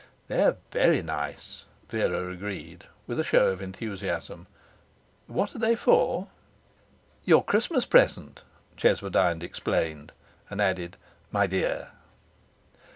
'They're very nice,' Vera agreed, with a show of enthusiasm. 'What are they for?' 'Your Christmas present,' Cheswardine explained, and added 'my dear!'